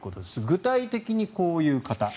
具体的にこういう方。